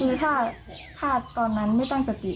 คือถ้าพลาดตอนนั้นไม่ตั้งสติ